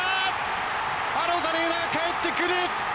アロザレーナ、かえってくる！